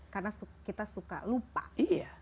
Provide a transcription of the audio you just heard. karena kita suka lupa